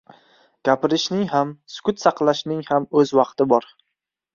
• Gapirishning ham, sukut saqlashning ham o‘z vaqti bor.